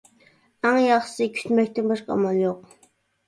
ئەڭ ياخشىسى كۈتمەكتىن باشقا ئامال يوق.